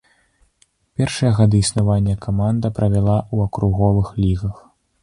Першыя гады існавання каманда правяла ў акруговых лігах.